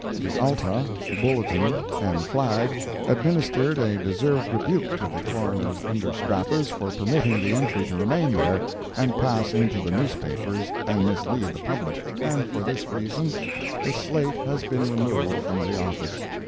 The Alta, Bulletin, and Flag, administered a deserved rebuke to the Coroner's understrappers, for permitting the entry to remain there, and pass into the newspapers and mislead the public, and for this reason the slate has been removed from the office.